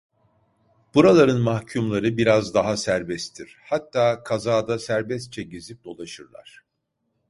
Buraların mahkûmları biraz daha serbesttir, hatta kazada serbestçe gezip dolaşırlar.